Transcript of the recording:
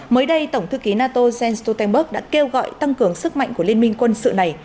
mới đây tổng thư ký nato jens stoltenberg đã kêu gọi tăng cường sức mạnh của liên minh quân sự này